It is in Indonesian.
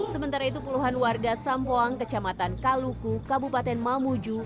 sementara itu puluhan warga sampoang kecamatan kaluku kabupaten mamuju